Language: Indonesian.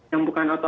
yang bukan kecepatan